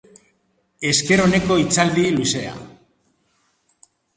Esker oneko hitzaldi luzea.